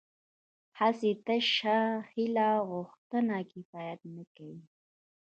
هسې تشه هیله او غوښتنه کفایت نه کوي